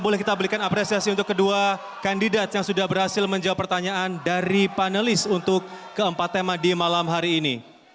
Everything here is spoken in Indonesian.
boleh kita berikan apresiasi untuk kedua kandidat yang sudah berhasil menjawab pertanyaan dari panelis untuk keempat tema di malam hari ini